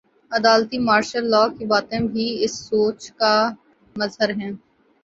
عدالتی martial law کی باتیں بھی اسی سوچ کا مظہر ہیں۔